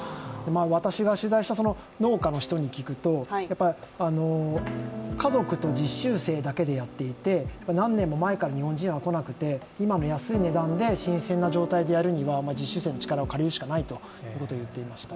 私が取材した農家の人に聞くとやっぱり家族と実習生だけでやっていて、何年も前から日本人は来なくて今の安い値段で新鮮な状態でやるには、実習生の力を借りるしかないと言っていました。